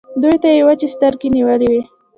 دوی ته يې وچې سترګې نيولې وې.